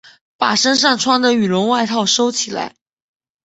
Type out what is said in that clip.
把身上穿的羽绒外套收起来